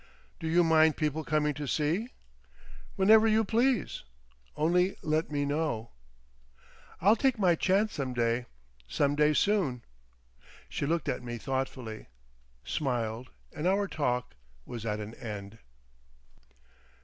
"Do you mind people coming to see?" "Whenever you please. Only let me know" "I'll take my chance some day. Some day soon." She looked at me thoughtfully, smiled, and our talk was at an end.